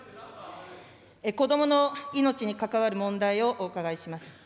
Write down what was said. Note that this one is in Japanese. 子どもの命に関わる問題をお伺いします。